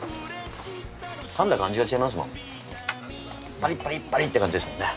パリッパリッパリッて感じですもんね。